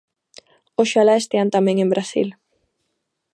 Oxalá estean tamén en Brasil.